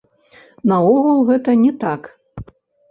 Наогул гэта не так.